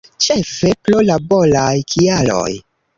Ĉefe pro laboraj kialoj.